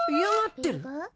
嫌がってる？